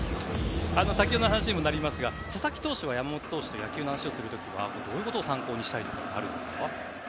先ほどの話になりますが佐々木投手は山本投手と野球の話をするときはどういうことを参考にするというのはあるんですか？